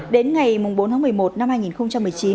đến ngày bốn tháng một mươi một năm hai nghìn một mươi chín